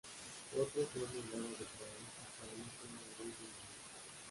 Otros se han negado a declarar amparándose en la Ley del Menor.